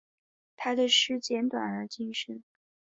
他的诗简短而精深。